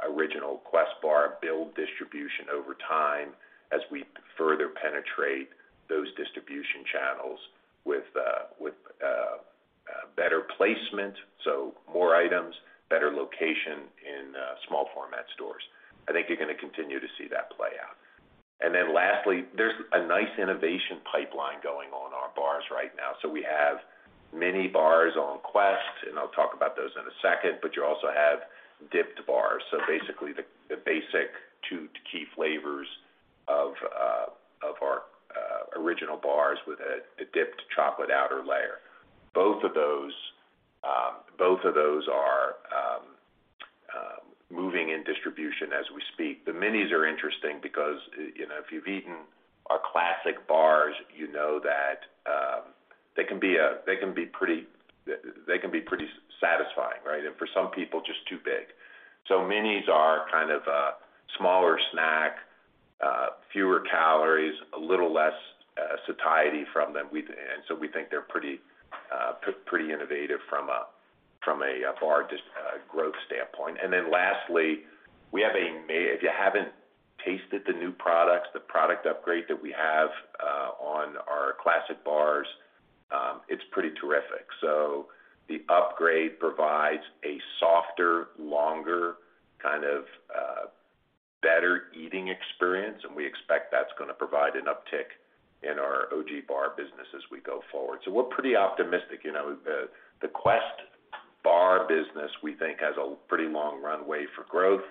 original Quest bar build distribution over time as we further penetrate those distribution channels with better placement, so more items, better location in small format stores. I think you're gonna continue to see that play out. Then lastly, there's a nice innovation pipeline going on our bars right now. We have many bars on Quest, and I'll talk about those in a second, but you also have dipped bars. Basically the basic two key flavors of our original bars with a dipped chocolate outer layer. Both of those are moving in distribution as we speak. The minis are interesting because, you know, if you've eaten our classic bars, you know that they can be pretty satisfying, right? For some people, just too big. Minis are kind of a smaller snack, fewer calories, a little less satiety from them. We think they're pretty innovative from a bar growth standpoint. Then lastly, if you haven't tasted the new products, the product upgrade that we have on our classic bars, it's pretty terrific. The upgrade provides a softer, longer kind of better eating experience, and we expect that's gonna provide an uptick in our OG bar business as we go forward. We're pretty optimistic. You know, the Quest bar business, we think, has a pretty long runway for growth.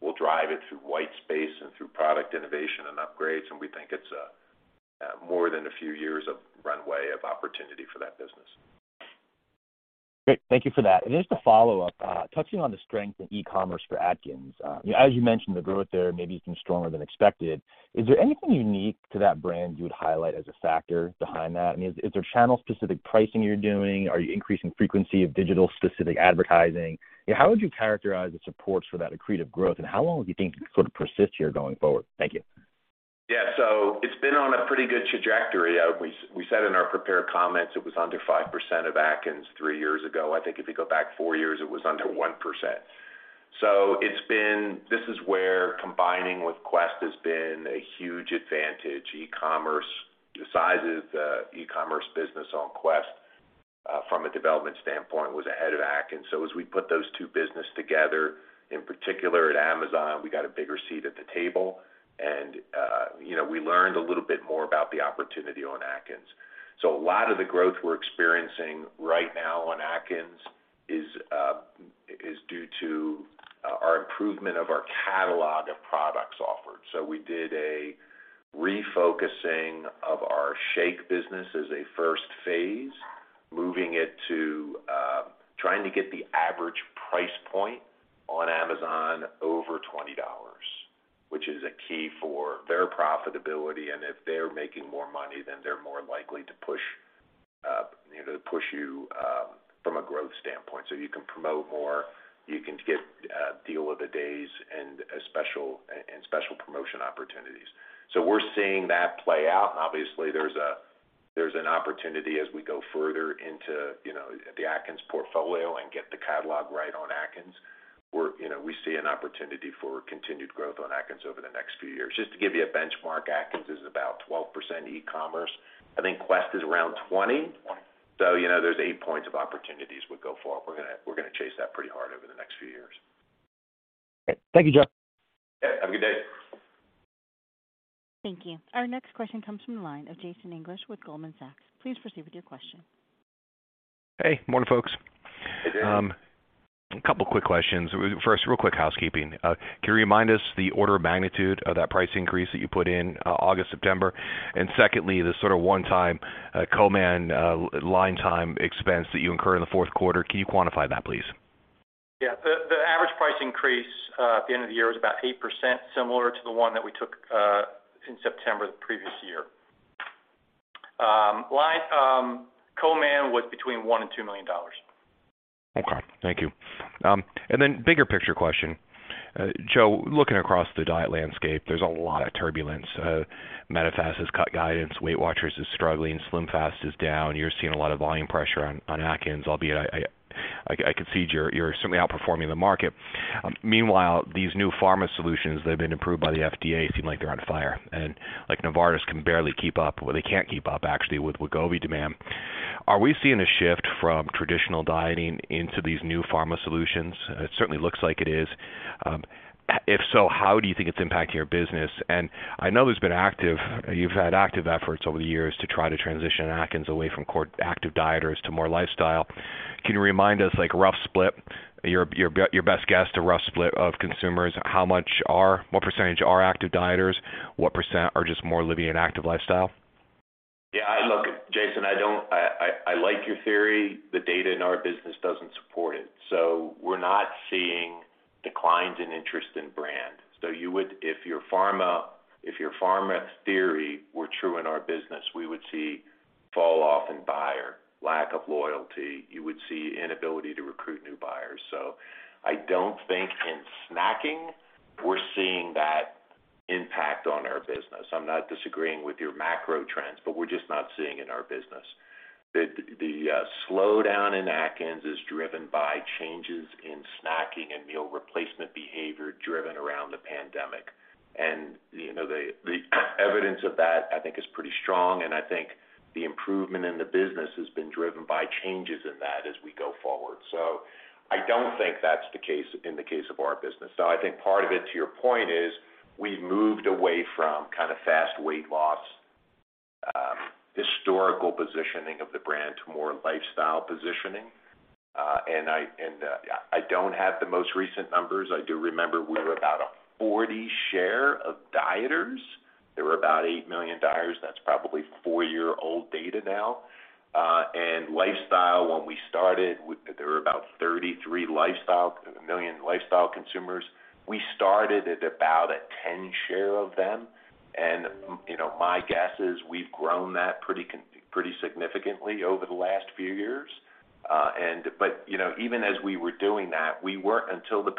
We'll drive it through white space and through product innovation and upgrades, and we think it's more than a few years of runway of opportunity for that business. Great. Thank you for that. Just a follow-up, touching on the strength in e-commerce for Atkins. As you mentioned, the growth there may be even stronger than expected. Is there anything unique to that brand you would highlight as a factor behind that? I mean, is there channel-specific pricing you're doing? Are you increasing frequency of digital-specific advertising? How would you characterize the supports for that accretive growth, and how long do you think it could persist here going forward? Thank you. Yeah. It's been on a pretty good trajectory. We said in our prepared comments it was under 5% of Atkins three years ago. I think if you go back four years, it was under 1%. It's been. This is where combining with Quest has been a huge advantage. E-commerce, the size of the e-commerce business on Quest, from a development standpoint, was ahead of Atkins. As we put those two businesses together, in particular at Amazon, we got a bigger seat at the table and, you know, we learned a little bit more about the opportunity on Atkins. A lot of the growth we're experiencing right now on Atkins is due to our improvement of our catalog of products offered. We did a refocusing of our shake business as a first phase, moving it to trying to get the average price point on Amazon over $20, which is a key for their profitability. If they're making more money, then they're more likely to push you from a growth standpoint. You can promote more, you can get deal of the days and special promotion opportunities. We're seeing that play out. Obviously, there's an opportunity as we go further into you know, the Atkins portfolio and get the catalog right on Atkins. You know, we see an opportunity for continued growth on Atkins over the next few years. Just to give you a benchmark, Atkins is about 12% e-commerce. I think Quest is around 20. you know, there's eight points of opportunities we go forward. We're gonna chase that pretty hard over the next few years. Thank you, Joseph. Yeah, have a good day. Thank you. Our next question comes from the line of Jason English with Goldman Sachs. Please proceed with your question. Hey. Morning, folks. Good day. A couple quick questions. First, real quick housekeeping. Can you remind us the order of magnitude of that price increase that you put in, August, September? Secondly, the sort of one-time Quest line item expense that you incur in the fourth quarter, can you quantify that, please? The average price increase at the end of the year was about 8%, similar to the one that we took in September the previous year. Co-man was between $1 million and $2 million. Okay, thank you. Bigger picture question. Joseph, looking across the diet landscape, there's a lot of turbulence. Medifast has cut guidance. Weight Watchers is struggling. SlimFast is down. You're seeing a lot of volume pressure on Atkins, albeit I can see you're certainly outperforming the market. Meanwhile, these new pharma solutions that have been approved by the FDA seem like they're on fire, and like Novo Nordisk can barely keep up, or they can't keep up actually with Wegovy demand. Are we seeing a shift from traditional dieting into these new pharma solutions? It certainly looks like it is. If so, how do you think it's impacting your business? I know you've had active efforts over the years to try to transition Atkins away from active dieters to more lifestyle. Can you remind us, like rough split, your best guess to rough split of consumers, what percentage are active dieters? What percent are just more living an active lifestyle? Look, Jason, I don't like your theory. The data in our business doesn't support it. We're not seeing declines in interest in brand. You would if your pharma theory were true in our business, we would see falloff in buyer, lack of loyalty. You would see inability to recruit new buyers. I don't think in snacking we're seeing that impact on our business. I'm not disagreeing with your macro trends, but we're just not seeing in our business. The slowdown in Atkins is driven by changes in snacking and meal replacement behavior driven around the pandemic. You know, the evidence of that I think is pretty strong, and I think the improvement in the business has been driven by changes in that as we go forward. I don't think that's the case in the case of our business. I think part of it, to your point, is we've moved away from kind of fast weight loss, historical positioning of the brand to more lifestyle positioning. And I don't have the most recent numbers. I do remember we were about a 40 share of dieters. There were about 8 million dieters. That's probably four-year-old data now. And lifestyle when we started, there were about 33 million lifestyle consumers. We started at about a 10 share of them. You know, my guess is we've grown that pretty significantly over the last few years. But you know, even as we were doing that, we weren't seeing buy rate differences until the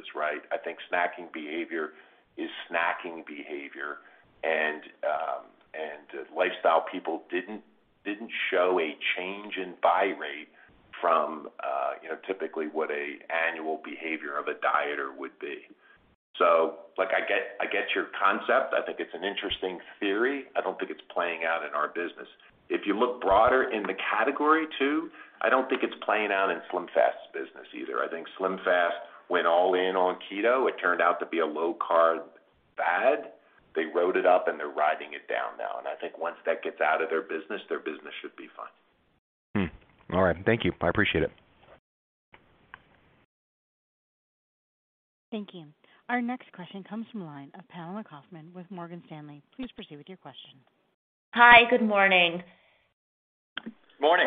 pandemic, right? I think snacking behavior is snacking behavior. Lifestyle people didn't show a change in buy rate from you know, typically what an annual behavior of a dieter would be. Like I get your concept. I think it's an interesting theory. I don't think it's playing out in our business. If you look broader in the category too, I don't think it's playing out in SlimFast business either. I think SlimFast went all in on keto. It turned out to be a low-carb fad. They rode it up, and they're riding it down now. I think once that gets out of their business, their business should be fine. All right. Thank you. I appreciate it. Thank you. Our next question comes from line of Pamela Kaufman with Morgan Stanley. Please proceed with your question. Hi. Good morning. Morning. Morning,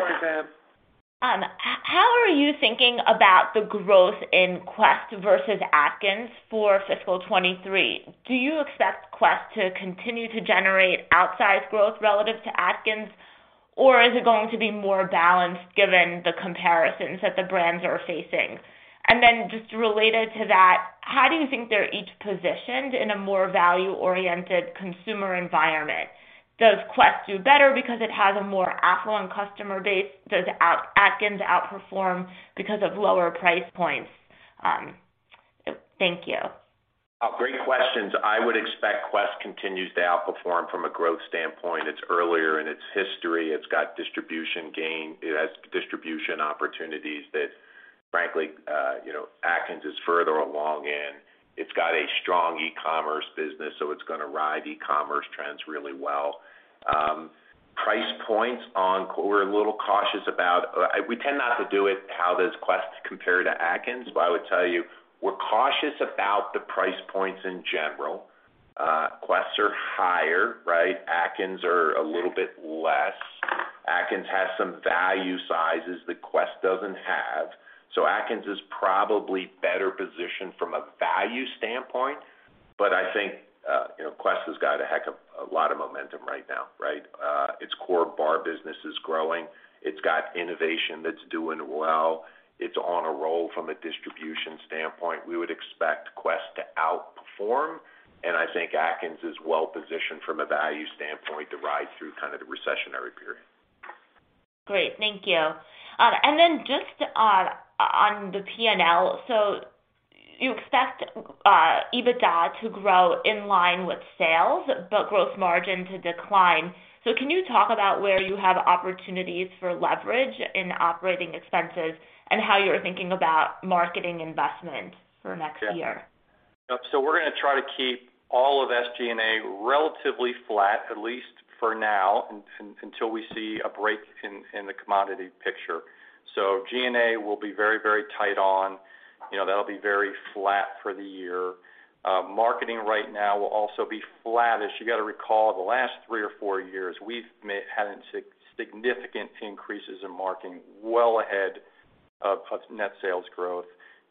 Pamela. How are you thinking about the growth in Quest versus Atkins for fiscal 2023? Do you expect Quest to continue to generate outsized growth relative to Atkins, or is it going to be more balanced given the comparisons that the brands are facing? Just related to that, how do you think they're each positioned in a more value-oriented consumer environment? Does Quest do better because it has a more affluent customer base? Does Atkins outperform because of lower price points? Thank you. Oh, great questions. I would expect Quest continues to outperform from a growth standpoint. It's earlier in its history. It's got distribution gain. It has distribution opportunities that frankly, you know, Atkins is further along in. It's got a strong e-commerce business, so it's gonna ride e-commerce trends really well. Price points. We're a little cautious about. We tend not to do it. How does Quest compare to Atkins, but I would tell you we're cautious about the price points in general. Quest's are higher, right? Atkins are a little bit less. Atkins has some value sizes that Quest doesn't have. So Atkins is probably better positioned from a value standpoint. But I think, you know, Quest has got a heck of a lot of momentum right now, right? Its core bar business is growing. It's got innovation that's doing well. It's on a roll from a distribution standpoint. We would expect Quest to outperform, and I think Atkins is well positioned from a value standpoint to ride through kind of the recessionary period. Great. Thank you. Just on the P&L. You expect EBITDA to grow in line with sales, but gross margin to decline. Can you talk about where you have opportunities for leverage in operating expenses and how you're thinking about marketing investments for next year? We're gonna try to keep all of SG&A relatively flat, at least for now until we see a break in the commodity picture. G&A will be very tight on. You know, that'll be very flat for the year. Marketing right now will also be flattish. You gotta recall the last three or four years we've had significant increases in marketing well ahead of net sales growth.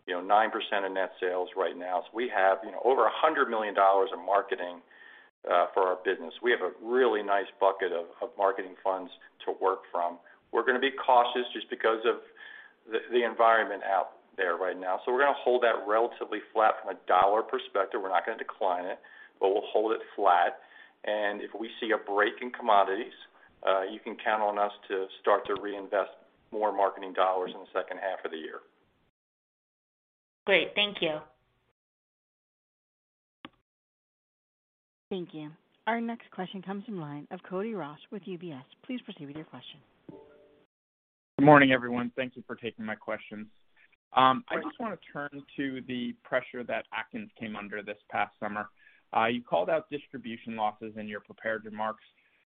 You know, 9% of net sales right now. We have, you know, over $100 million in marketing for our business. We have a really nice bucket of marketing funds to work from. We're gonna be cautious just because of the environment out there right now. We're gonna hold that relatively flat from a dollar perspective. We're not gonna decline it, but we'll hold it flat. If we see a break in commodities, you can count on us to start to reinvest more marketing dollars in the second half of the year. Great. Thank you. Thank you. Our next question comes from line of Cody Ross with UBS. Please proceed with your question. Good morning, everyone. Thank you for taking my questions. I just wanna turn to the pressure that Atkins came under this past summer. You called out distribution losses in your prepared remarks.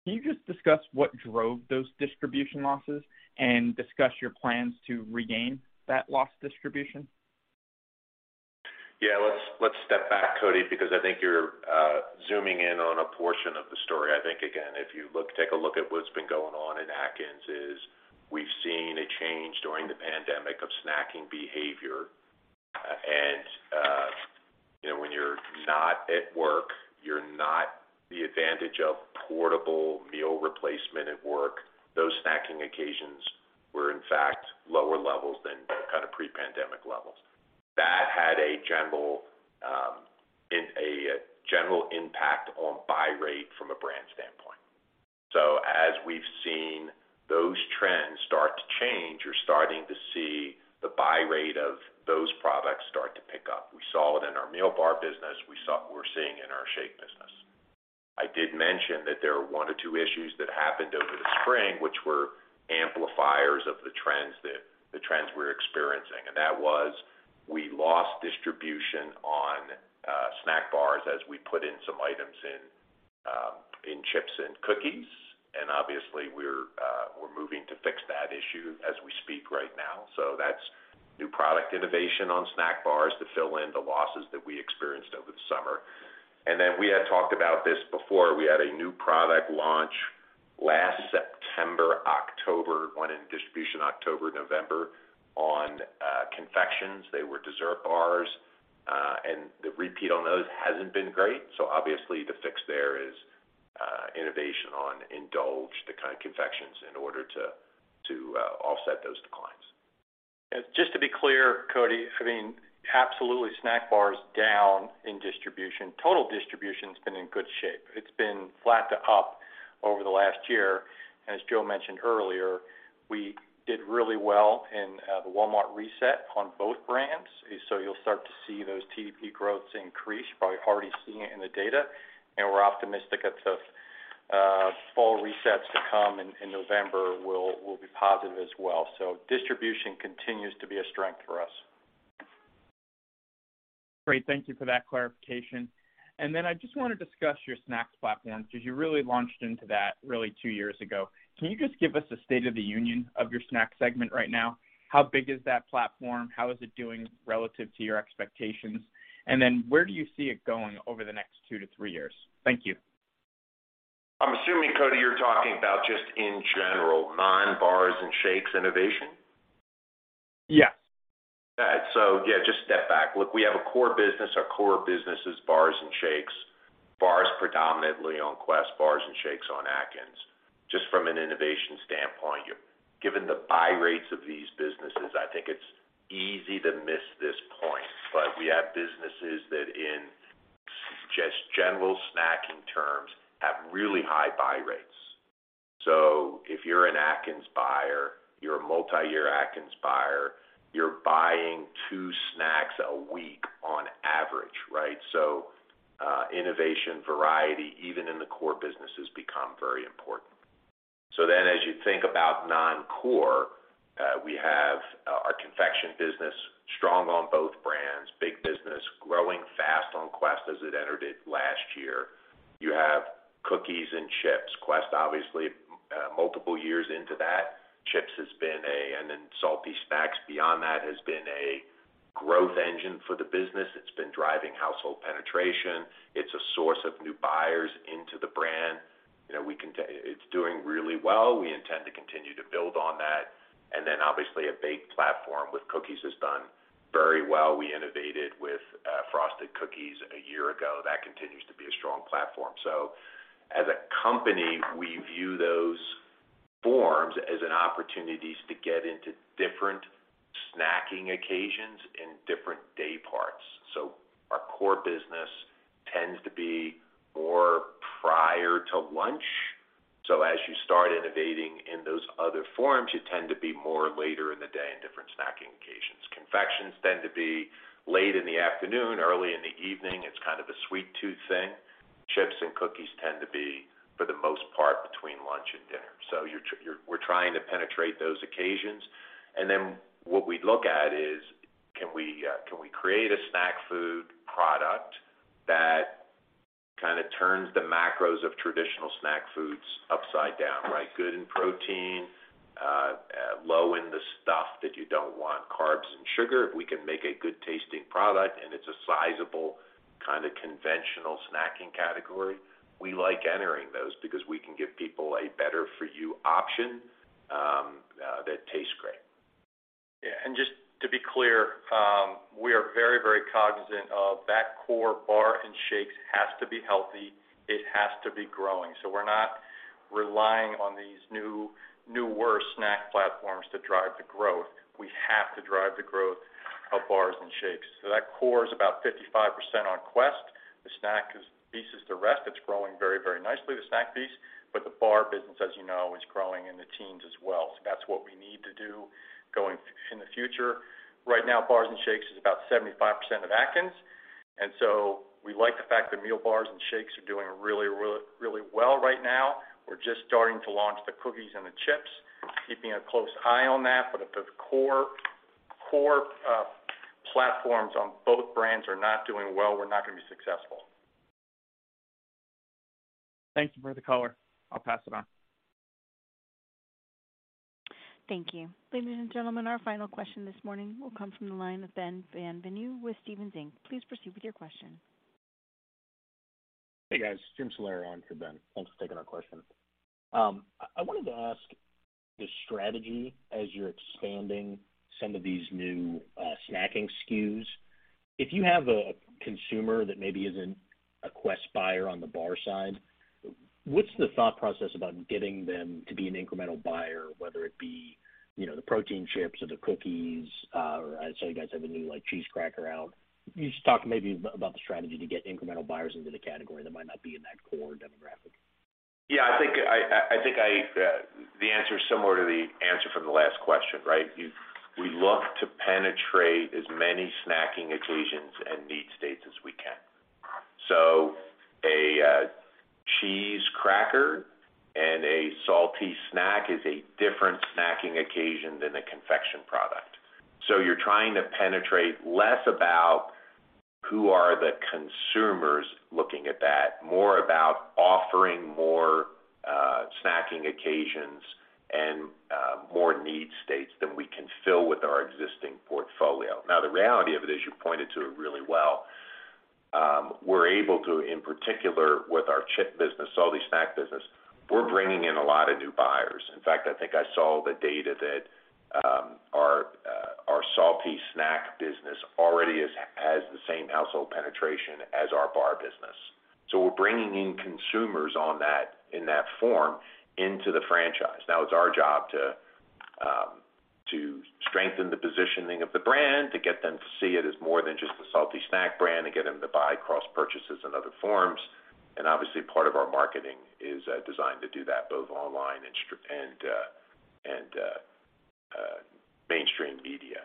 Can you just discuss what drove those distribution losses and discuss your plans to regain that lost distribution? Yeah, let's step back, Cody, because I think you're zooming in on a portion of the story. I think, again, if you take a look at what's been going on in Atkins, we've seen a change during the pandemic of snacking behavior. You know, when you're not at work, you don't have the advantage of portable meal replacement at work. Those snacking occasions were, in fact, at lower levels than kind of pre-pandemic levels. That had a general impact on buy rate from a brand standpoint. As we've seen those trends start to change, you're starting to see the buy rate of those products start to pick up. We saw it in our meal bar business. We're seeing it in our shake business. I did mention that there are one or two issues that happened over the spring, which were amplifiers of the trends we're experiencing. That was, we lost distribution on snack bars as we put in some items in chips and cookies. Obviously, we're moving to fix that issue as we speak right now. That's new product innovation on snack bars to fill in the losses that we experienced over the summer. We had talked about this before. We had a new product launch last September, October, went in distribution October, November on confections. They were dessert bars and the repeat on those hasn't been great. Obviously the fix there is innovation on Indulge, the kind of confections in order to offset those declines. Just to be clear, Cody, I mean, absolutely snack bars down in distribution. Total distribution's been in good shape. It's been flat to up over the last year. As Joseph mentioned earlier, we did really well in the Walmart reset on both brands. You'll start to see those TDP growths increase, probably already seeing it in the data. We're optimistic that the fall resets to come in November will be positive as well. Distribution continues to be a strength for us. Great, thank you for that clarification. I just wanna discuss your snacks platform, because you really launched into that two years ago. Can you just give us a state of the union of your snack segment right now? How big is that platform? How is it doing relative to your expectations? Where do you see it going over the next two to three years? Thank you. I'm assuming, Cody, you're talking about just in general, non-bars and shakes innovation? Yes. Yeah, just step back. Look, we have a core business. Our core business is bars and shakes, bars predominantly on Quest, bars and shakes on Atkins. Just from an innovation standpoint, given the buy rates of these businesses, I think it's easy to miss this point. We have businesses that in just general snacking terms, have really high buy rates. If you're an Atkins buyer, you're a multi-year Atkins buyer, you're buying two snacks a week on average, right? Innovation, variety, even in the core businesses become very important. As you think about non-core, we have our confection business strong on both brands, big business, growing fast on Quest as it entered it last year. You have cookies and chips. Quest, obviously, multiple years into that. Chips has been and then salty snacks beyond that has been a growth engine for the business. It's been driving household penetration. It's a source of new buyers into the brand. You know, It's doing really well. We intend to continue to build on that. Obviously, a baked platform with cookies has done very well. We innovated with frosted cookies a year ago. That continues to be a strong platform. As a company, we view those forms as an opportunities to get into different snacking occasions in different day parts. Our core business tends to be more prior to lunch. As you start innovating in those other forms, you tend to be more later in the day in different snacking occasions. Confections tend to be late in the afternoon, early in the evening. It's kind of a sweet tooth thing. Chips and cookies tend to be, for the most part, between lunch and dinner. You're, you're—we're trying to penetrate those occasions. What we look at is, can we create a snack food product that kinda turns the macros of traditional snack foods upside down, right? Good in protein, low in the stuff that you don't want, carbs and sugar. If we can make a good-tasting product and it's a sizable kind of conventional snacking category, we like entering those because we can give people a better for you option that tastes great. Just to be clear, we are very, very cognizant of that core bar and shakes has to be healthy. It has to be growing. We're not relying on these new, newer snack platforms to drive the growth. We have to drive the growth of bars and shakes. That core is about 55% on Quest. The snack piece is the rest. It's growing very, very nicely, the snack piece. The bar business, as you know, is growing in the teens as well. That's what we need to do going in the future. Right now, bars and shakes is about 75% of Atkins, so we like the fact that meal bars and shakes are doing really, really, really well right now. We're just starting to launch the cookies and the chips, keeping a close eye on that. If the core platforms on both brands are not doing well, we're not gonna be successful. Thank you for the color. I'll pass it on. Thank you. Ladies and gentlemen, our final question this morning will come from the line of Ben Bienvenu with Stephens Inc. Please proceed with your question. Hey, guys. James Salera on for Ben. Thanks for taking our question. I wanted to ask the strategy as you're expanding some of these new snacking SKUs. If you have a consumer that maybe isn't a Quest buyer on the bar side, what's the thought process about getting them to be an incremental buyer, whether it be, you know, the protein chips or the cookies? I saw you guys have a new, like, cheese cracker out. Can you just talk maybe about the strategy to get incremental buyers into the category that might not be in that core demographic? I think the answer is similar to the answer from the last question, right? We look to penetrate as many snacking occasions and need states as we can. A cheese cracker and a salty snack is a different snacking occasion than a confection product. You're trying to penetrate less about who are the consumers looking at that, more about offering more snacking occasions and more need states than we can fill with our existing portfolio. Now, the reality of it is you pointed to it really well. We're able to, in particular, with our chip business, salty snack business, we're bringing in a lot of new buyers. In fact, I think I saw the data that our salty snack business already has the same household penetration as our bar business. We're bringing in consumers on that, in that form into the franchise. Now it's our job to strengthen the positioning of the brand, to get them to see it as more than just a salty snack brand and get them to buy cross-purchases in other forms. Obviously, part of our marketing is designed to do that both online and mainstream media.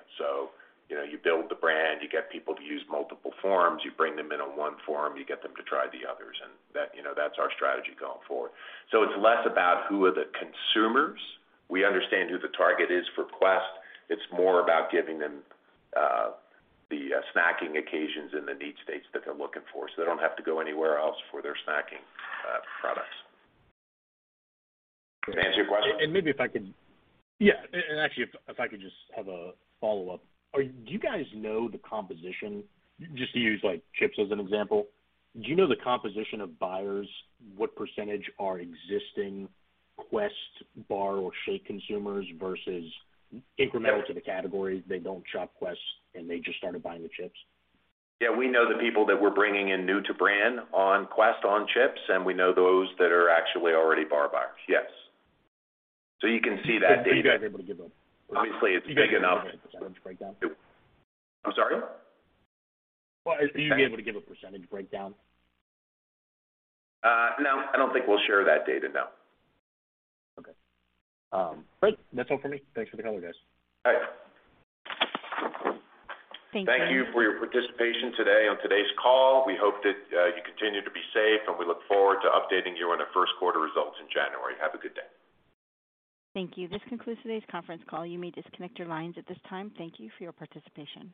You know, you build the brand, you get people to use multiple forms, you bring them in on one form, you get them to try the others, and that, you know, that's our strategy going forward. It's less about who are the consumers. We understand who the target is for Quest. It's more about giving them the snacking occasions in the need states that they're looking for, so they don't have to go anywhere else for their snacking products. Does that answer your question? Maybe if I could... Yeah. Actually, if I could just have a follow-up. Do you guys know the composition, just to use like chips as an example, do you know the composition of buyers, what percentage are existing Quest bar or shake consumers versus incremental to the category, they don't shop Quest, and they just started buying the chips? Yeah, we know the people that we're bringing in new to brand on Quest, on chips, and we know those that are actually already bar buyers. Yes. You can see that data. Are you guys able to give a- Obviously, it's big enough. Percentage breakdown. I'm sorry? Are you able to give a percentage breakdown? No, I don't think we'll share that data, no. Okay. Great. That's all for me. Thanks for the color, guys. All right. Thank you. Thank you for your participation today on today's call. We hope that you continue to be safe, and we look forward to updating you on our first quarter results in January. Have a good day. Thank you. This concludes today's conference call. You may disconnect your lines at this time. Thank you for your participation.